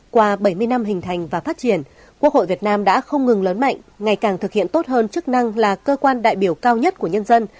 qua bảy mươi năm hình thành và phát triển quốc hội việt nam đã không ngừng lớn mạnh ngày càng thực hiện tốt hơn chức năng là cơ quan đại biểu cao nhất của nhân dân